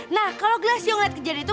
nah kalau glasio ngeliat kejadian itu